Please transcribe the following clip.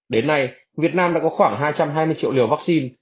đến nay việt nam đã có khoảng hai trăm hai mươi triệu liều vaccine